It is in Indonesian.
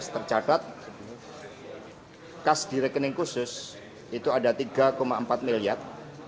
tercatat kas direkening khusus itu ada rp tiga empat miliar